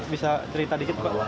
bisa cerita dikit pak